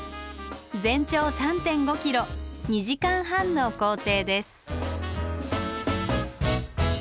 全長３．５ｋｍ２時間半の行程です。